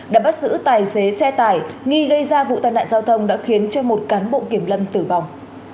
đã bắt giữ tài xế xe tải nghi gây ra vụ tai nạn giao thông đã khiến cho một cán bộ kiểm lâm tử vong